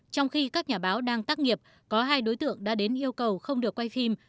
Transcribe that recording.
trong khi các nhà báo đang tác nghiệp có hai đối tượng đã đến yêu cầu không được quay phim